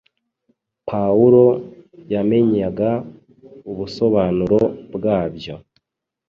Pawulo yamenyaga ubusobanuro bwabyo.